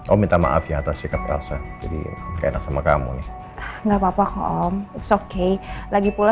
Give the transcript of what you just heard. om minta maaf ya atau sikap rasa jadi enak sama kamu nih enggak papa kok om it's okay lagi pula